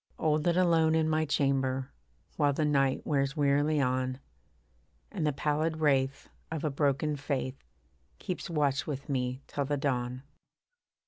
Old and alone in my chamber, While the night wears wearily on, And the pallid wraith of a broken faith Keeps watch with me till the dawn.